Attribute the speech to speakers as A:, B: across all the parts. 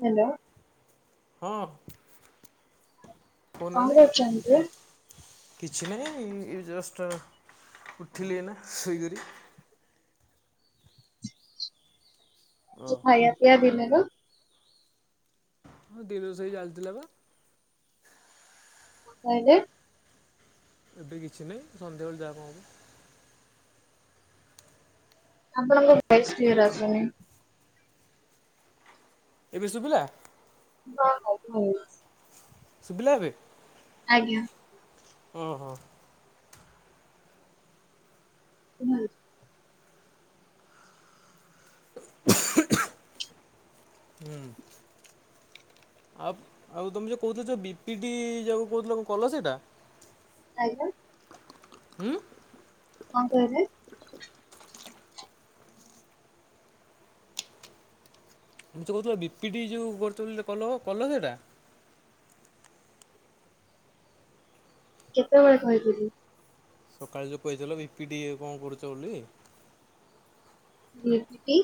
A: Hello.
B: ହଁ।
A: କଣ
B: କହୁନାହାଁନ୍ତି?
A: କରୁଛନ୍ତି?
B: କିଛି ନାହିଁ ଜଷ୍ଟ ଉଠିଲି ଏନା ଶୋଇକରି। ଓ।
A: ଯୋଉ ଖାଇବା ପିଆ ଦିନ ତ
B: ହଁ ଦିରୁଷଇ ଜାଳିଥିଲାବା।
A: କହିଲ?
B: ଏବେ କିଛି ନାହିଁ ସଂଧ୍ୟାବେଳେ ଯାହା କଣ ହବ।
A: ଆପଣଙ୍କର ଭଏସ୍ କ୍ଲିଅର ଆସୁନି?
B: ଏବେ ଶୁଭିଲା।
A: ହଁ ହ ଭାଇ
B: ଶୁଭିଲା ଏବେ?
A: ଆଜ୍ଞା।
B: ହଁ ହଁ।
A: ନା।
B: ହୁଁ। ଆଉ ଆଉ ତମେ ଯୋଉ କହୁଥିଲ ଯୋଉ ବିପି ଟି ଯାକୁ କହୁଥିଲ କଣ କଲ ସେଇଟା?
A: ଖାଇ ଲଣି?
B: ହୁଁ।
A: କଁ କହିଲେ?
B: ମତେ କହୁଥିଲା ବିପି ଟି ଯୋଉ କରୁଥିଲ କଲ କଲ ସେଟା?
A: କେତେବେଳେ କହିଥିଲି?
B: ସକାଳେ ଯଉ କହିଦେଲ ବିି ପି ଡି ଇଏ କଣ ପଢୁଚ ବୋଲି?
A: ବି ପି ଟି,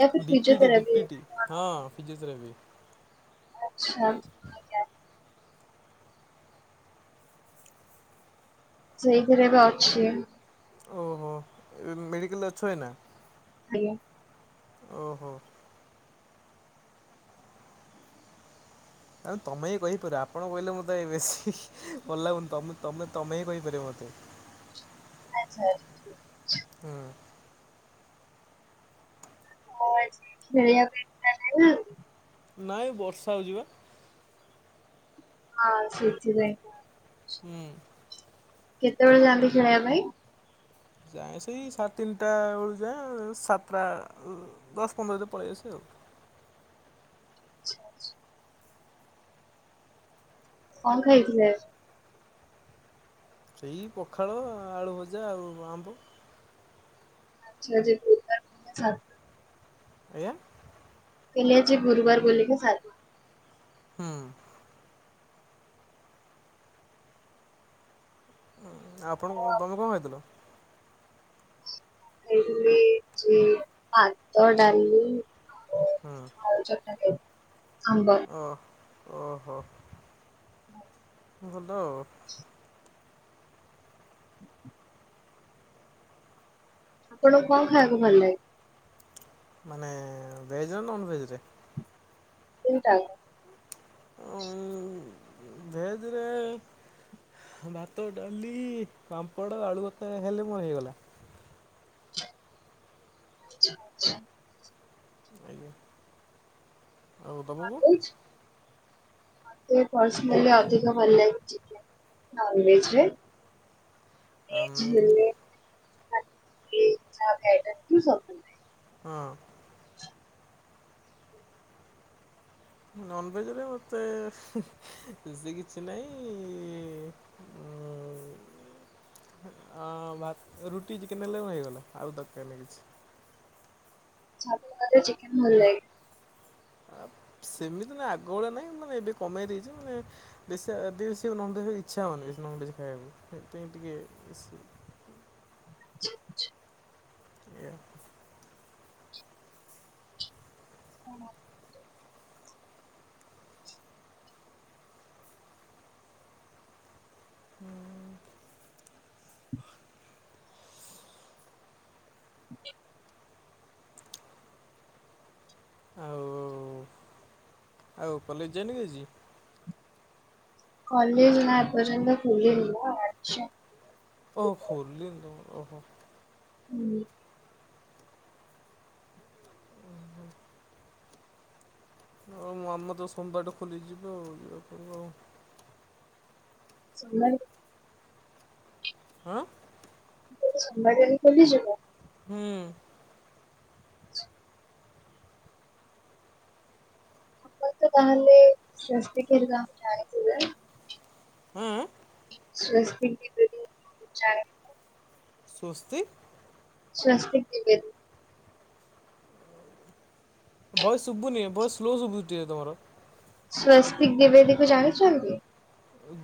A: ୟା ଫିର
B: ବିପିଟି
A: ଫିଜଓଥେରାପି?
B: ବିପିଟି ହଁ ଫିଜିଓଥେରାପି।
A: ଛା। ସେଇଥିରେ ପା ଅଛି।
B: ଓହୋ, ମେଡ଼ିକାଲରେ ଅଛୁ ଏଇନା?
A: ଆଜ୍ଞା।
B: ଓହୋ। ଆ ତମେ ହିଁ କହିପାରୁ ଆପଣ କହିଲେ ମତେ ବେଶୀ ଭଲ ଲାଗୁନି ତମେ ତମେ ତମେ ହିଁ କହିପାରିବ ମତେ।
A: ଆଛା [unintelligible]
B: ହୁଁ।
A: [unintelligible]
B: ନାଇଁ ବର୍ଷା ହୋଉଚି ପା।
A: ହଁ ସେଥି ପାଇଁ।
B: ହୁଁ।
A: କେତେବେଳେ ଯାଆନ୍ତି ଖେଳବା ପାଇଁ?
B: ଯାଏଁ ସେଇ ସା ତିନିଟା ବେଳୁ ଯାଏଁ ସାତଟା ଦଶ ପନ୍ଦରରେ ପଳେଇ ଆସେ ଆଉ।
A: [inaudible] କଣ ଖାଇଥିଲେ?
B: ସେଇ ପଖାଳ ଆଳୁ ଭଜା ଆଉ ଆମ୍ବ।
A: [unintelligible]
B: ଆଜ୍ଞା।
A: କହିଲି ଆଜି ଗୁରୁବାର ବୋଲିଲେ କି ସା
B: ହୁଁ। ଆ ଆପଣ
A: ମୁଁ
B: ତମେ କଣ ଖାଇ ଥିଲ?
A: ଖାଇଥିଲି ଭାତ ଡାଲି
B: ହୁଁ।
A: ଆଳୁ ଚକଟା ଖାଇଥିଲି ଆମ୍ବ।
B: ଓ ଓହୋ।
A: ବାଏ।
B: ଭଲ ଆଉ।
A: [inaudible] ଆପଣଙ୍କୁ କଁ ଖାଇବାକୁ ଭଲ ଲାଗେ?
B: ମାନେ ଭେଜର ନଭେଜରେ?
A: ତିନ ଟାଇମ। [inaudible]
B: ଉ ଭେଜରେ ଭାତ ଡାଲି ପାମ୍ପଡ଼ ଆଳୁଭତା ହେଲେ ମୋର ହେଇଗଲା।
A: [unintelligible]
B: ଆଜ୍ଞା [inaudible] ହଁ ଆଉ ତମକୁ।
A: ପର୍ସନଲି ଅଧିକ ଭଲ ଲାଗୁଛି ନନଭେଜ ରେ [inaudible] [inaudible]
B: ଆମ୍
A: କି ସ।
B: ହଁ ନନଭେଜରେ ମତେ ବେଶ କିଛି ନାହିଁ ଇ
A: [unintelligible] [unintelligible]
B: ହଁ ଭାତ ରୁଟି ଚିକେନ ହେଲେ ମୋର ହୋଇଗଲା ଆଉ ଦରକାର ନାହଁ କିଛି।
A: ଭାତ ରେ ଚିକେନ ଭଲ ଲାଗେ।
B: ସେମିତି ନା ଆଗଭଳିଆ ନହିଁ ମାନେ ଏବେ କମେଇ ଦେଇଛି ମାନେ ବେଶି ବେଶି ନଭେଜ୍ ଇଚ୍ଛା ହଉନି ବେଶି ନଭେଜ୍ ଖାଇବାକୁ ସେଥିାଇଁ ଟିକେ ବେଶି
A: ଜେ ଜେ।
B: [inaudible] [inaudible]
A: [inaudible] [inaudible]
B: ହଁ।
A: [inaudible]
B: ଆଉ ଆଉ କଲେଜ ଜିଆନିକି ଆଜି।
A: କଲେଜ୍ ନା ଏ ପର୍ଯ୍ୟନ୍ତ ଖୁଲିନି ଓ ଆଛା।
B: ଓହ ଖୋଲିନି ଓହୋ।
A: [inaudible]
B: ଓ ହୁଁ। ହ ଆମ ତ ସୋମବାର ଠୁ ଖୋଲିି ଯିବ ଯିବାକୁ ପଡିବ ଆଉ
A: ସୋମବାର ଠୁ।
B: ହଁ
A: ସୋମବାର ଠୁଖୋଲିଯିବ।
B: ହୁଁ।
A: [inaudible] ତାହେଲେ [inaudible] ଏଜାମ୍ ଜାଣିଥିବେ।
B: ଆଁ ଆଁ।
A: ସ୍ବସ୍ତିକି [inaudible] ଜାଣେ।
B: ସ୍ୱସ୍ତିକ?
A: ସ୍ୱସ୍ତିକ ଦ୍ୱିବେଦୀ।
B: ଭଏସେ ଶୁଭୁନି ଭଏସେ ସ୍ଲୋ ଶୁଭୁଛି ଟିକେ ତମର।
A: ସ୍ଵସ୍ତିକ ଦିବେଦୀକୁ ଜାଣିଛନ୍ତି?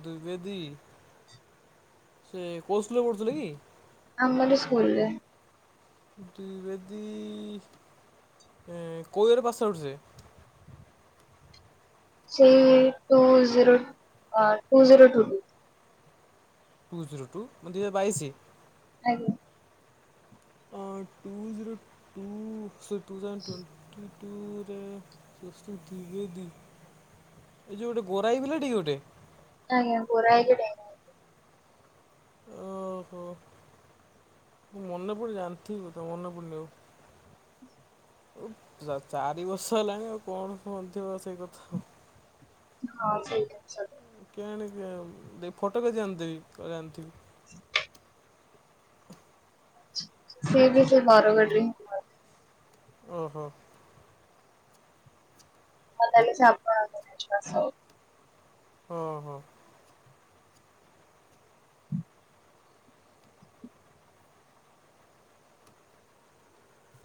B: ଦିବେଦୀ ସେ କଉ ସ୍କୁଲ ରେ ପଢୁଥିଲେ କି?
A: ଆମରି ସ୍କୁଲରେ।
B: ଦ୍ୱିବେଦୀ ଇ ଏଁ କୋଉ ଇଅର ପାଶ ଆଉଟ୍ ପଢ଼ୁଥିଲେ।
A: ସେ two zero one two zero two two.
B: Two zero two ମାନ ଦୁଇ ହଜାର ବାଇଶି।
A: ଆଜ୍ଞା।
B: ଟୁ ଜିରୋ ଟୁ ସ ଟୁ ଥସ ଟ୍ୱଣ୍ଟ [inaudible] ଏ ଯୋଉ ଗୋଟେ ଗୋରା ହେଇକି ପିଲା ଟିକେ ଗୋଟେ।
A: ଆଜ୍ଞା ଗୋରା ହେଇକି ଡେଙ୍ଗା।
B: ଓହୋ ମୁଁ ମନେ ପଡୁନି ଜାଣିଥିଲି କି ମନେ ପଡୁନି ଆଉ। ଚାରି ବର୍ଷ ହେଲାଣି ଆଉ କଣ କୁହଥିବ ସେଇ କଥା ଆଉ।
A: ହଁ ସେଇଟା ସତ।
B: କେ ଫଟୋ କେ ଆଣିଦେବେ [inaudible]
A: ହ [unintelligible] ସିଏ ବି ସେଇ ବରଗଡ ରେ।
B: ଓହୋ।
A: [unintelligible]
B: ହଁ ହଁ।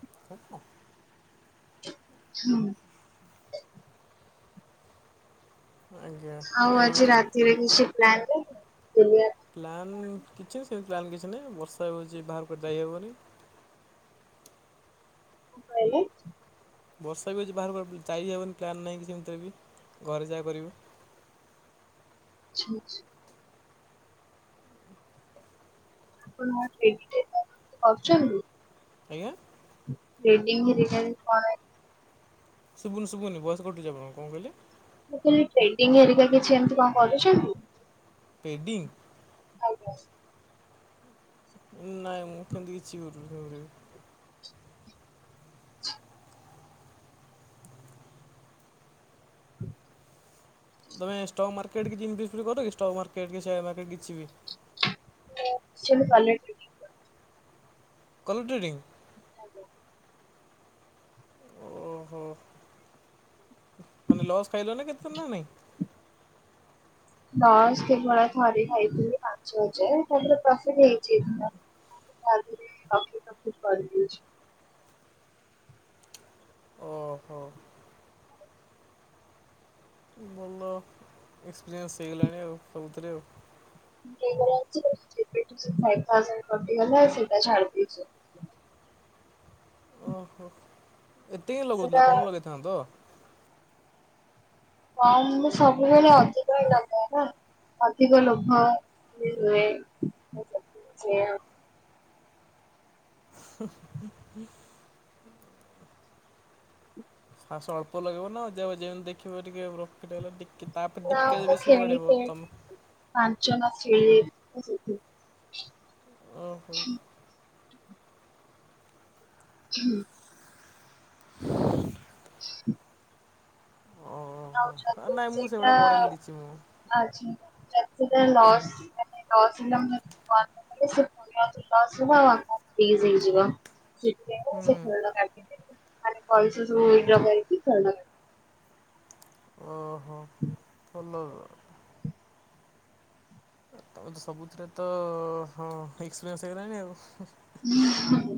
B: [unintelligible]
A: ହୁଁ।
B: ଆଜ୍ଞା।
A: ଆଉ ଆଜି ରାତିରେ କିଛି ପ୍ଲାନ [unintelligible]
B: ପ୍ଲାନ୍ କିଛି ନାହି ସେମିତି ପ୍ଲାନ୍ କିଛି ନାହିଁ ବର୍ଷା ହେଉଚି ବାହାରକୁ ଯାଇ ହେବନି।
A: [unintelligible]
B: ବର୍ଷା ବି ହେଉଚି ବାହାର କୁଆ ଯାଇ ହେବନି ପ୍ଲାନ୍ ନାହିଁ କିଛି ଏମିତିରେ ବି ଘରେ ଯାହା କରିବେ।
A: ଆଛା ଆଛା। ଆପଣ [unintelligible] କରୁଚନ୍ତି।
B: ଆଜ୍ଞା।?
A: [unintelligible]
B: ଶୁଭୁନି ଶୁଭୁନି ଭଏସ କଟୁଚି ଆପଣ କଣ କହିଲେ?
A: ମୁଁ କହିଲି ଟ୍ରେଡିଂ ହେରିକା କିଛି ଏମିତି କଣ କରୁଚନ୍ତି?
B: ପେଡିଂ?
A: ଆଜ୍ଞା।
B: ନାଇଁ ମୁଁ କେମିତି କିଛି [unintelligible]
A: ହୁଁ [unintelligible]
B: ତମେ ଷ୍ଟକ୍ ମାର୍କେଟ କି [unintelligible] କର କି ଷ୍ଟକ୍ ମାର୍କେଟ କି ସେୟାର ମାର୍କେଟ କିଛି ବି।
A: [unintelligible]
B: Colour trading.
A: ଆଜ୍ଞା।
B: ଓହୋ ମାନେ ଲସ୍ ଖାଇଲ ନା କେତେଦିନ ନା ନାଇଁ?
A: ଲସ୍ କେବଳ ଥରେ ଖାଇଥିଲି ପାଞ୍ଚ ହଜାର ତାପରେ ପ୍ରଫିଟ ହେଇଚି [unintelligible] [unintelligible]
B: ଓ ହୋ। ଭଲ। ଏକ୍ସପିରିୟନ୍ସ ହେଇଗଲାଣି ଆଉ ସବୁଥିରେ ଆଉ।
A: [unintelligible] ଯେବେଠୁ ସେ ଫାଇପ ଥାଉଜାଣ୍ଟ କଟିଗଲା ସେଇଟା ଛାଡି ଦେଇଚି।
B: ଓହୋ ଏତେ କାଇଁ ଲଗୋଉଥିଲ
A: ସେଟା
B: କମ୍ ଲଗେଇଥାନ୍ତ?
A: କମ ମୁଁ ସବୁବେଳେ ଅଧିକା ଲଗଏ ନା। ଅଧିକ ଲୋଭ ଟିକେ ହୁଏ ସେଇଆ ଆଉ।
B: ହୁ ହୁ ହୁଁ। ଫାର୍ଷ୍ଟ ଅଳ୍ପ ଲଗେଇବ ନା ଯେମିତି ଦେଖିବ ଟିକେ ପ୍ରଫିଟ୍ ହେଲା ଟି ତାପରେ
A: ନା
B: ଟିକେ
A: ମୁଁ
B: ବେଶୀ ବଢ଼େଇବ।
A: ଖେଳିକି
B: ତମ
A: ପାଞ୍ଚ [unintelligible]
B: ଓହୋ।
A: ହୁଁ। ଆ
B: ଓହୋ ନାଇଁ ମୁଁ
A: ସେଇଟା
B: ସେଗୁଡ଼ା କରେନି କିଛି ମୁଁ
A: ଆଛି ସେଟା ଲସ୍ [unintelligible] ଫ୍ରିଜ୍ ହେଇଯିବ। ସେଇଥିପାଇଁକା ସେ
B: ହୁଁ
A: ଖଳଟା କାଟିକି ମାନେ ପଇସା ସବୁ ୱିଡ୍ର କରିକି [unintelligible]
B: ଓହୋ ଖୋଲ। ତମେ ତ ସବୁଥିରେ ତ ଏକ୍ସେପିରିଏନ୍ସେ ହେଇଗଲାଣି ଆଉ।
A: ଉଁ ହୁଁ।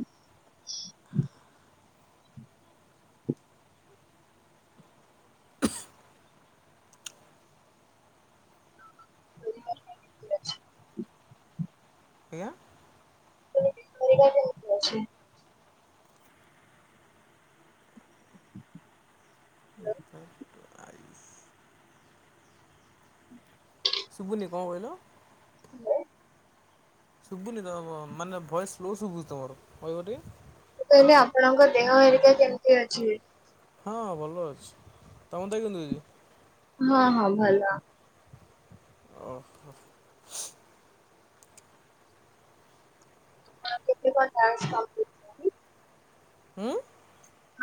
A: ମୁଁ
B: ଆଜ୍ଞା।
A: ସୁଇଜ୍ ଖୋଲାଯାଇ। [unintelligible]
B: ଆଇ। ସୁବୁନି କଣ କହିଲ? ଶୁଭୁନି ତ ମାନେ ଭଏସେ୍ ସ୍ଲୋ ଶୁଭୁଛି ତମର କହିବ ଟିକେ।
A: ମୁଁ କହିଲି ଆପଣଙ୍କ ଦେହ ହେରିକା କେମିତି ଅଛି?
B: ହଁଁ ଭଲ ଅଛି ତମ ଦେହ କେମିତି ଅଛି?
A: ହଁ ହଁ ଭଲ।
B: ଓ ହୋ।
A: ହଁ କେତେ କଣ ଟାସ୍କ କଲ?
B: ହଁ ଉଁ।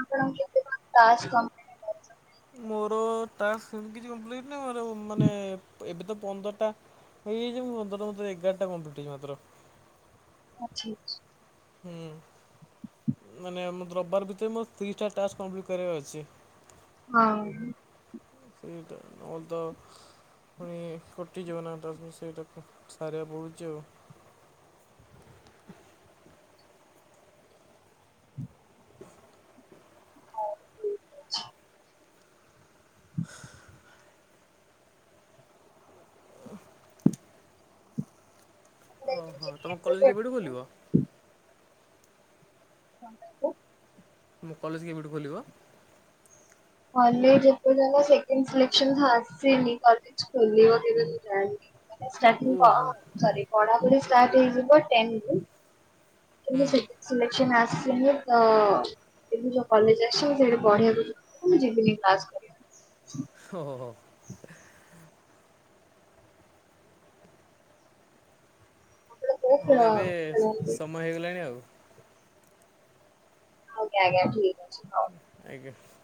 A: ଆପଣ କଣ କେତେ କଣ ଟାସ୍କ? କରିଛନ୍ତି?
B: ମୋର ଟାସ୍କ ସେମିତି କିଛି କମ୍ପ୍ଲିଟ୍ ନାହିଁ ମାନେ ଏବେ ତ ପନ୍ଦରଟା ଏଇ ଯେଉ ପନ୍ଦରଟାରୁ ଏଗାରଟା କମ୍ପି ଲିଟ ହେଇଛି ମାତ୍ର।
A: ଅଛି ଅଛି।
B: ହୁଁ। ମାନେ ମତେ ରବିବାର ଭିତରେ ମୋର ତିରିସିଟା ଟାସ୍କ କମ୍ପ୍ଲିଟ୍ କରିବାର ଅଛି।
A: ହଁ ଉଁ।
B: [unintelligible] ପୁଣି କଟିଯିବ ନା ତା ସେଇଟାକୁ ସାରିବାକୁ ପଡ଼ୁଚି ଆଉ। [inaudible]
A: [unintelligible]
B: ଉଁ। ଓ ହଁ ତମ କଲେଜେ୍ କେବେଠୁ ଖୋଲିବ?
A: [unintelligible]
B: କଲେଜ କେବେଠୁ ଖୋଲିବ?
A: କଲେଜେ୍ ଖୋଲିବ ସେକେଣ୍ଡ ସିଲେକ୍ସେନ୍ ଆସିନି କଲେଜେ୍ ଖୋଲିବ କେବେ ମୁଁ ଜାଣିନି। ଷ୍ଟାଟିଙ୍ଗ୍ ପ
B: ଓହୋ।
A: ସରି ପଢ଼ା ପଢ଼ି ଷ୍ଟାଟ୍ ହେଇଯିବ ଟେନ୍ ଟୁ।
B: ହୁଁ
A: କହିଲି ସେକେଣ୍ଡେ ସିଲେକ୍ସନ୍ ଆସନି ତ ଏବେ ଯୋଉ କଲେଜ ଆସି ସେଠି ପଢିବାକୁ ଯିବିନି୍ ମୁଁ ଯିବିନି କ୍ଲାସ କୁ।
B: ଥୋ ହୋ ହୋ।
A: ଏଟା କୋଉ
B: ହଉ ଏବେ
A: କୁଳ?
B: ସମୟ ହେଇଗଲାଣି ଆଉ।
A: ଆଜ୍ଞା ଆଜ୍ଞା ଠିକ୍ ଅଛି ହଉ।
B: ଆଜ୍ଞା।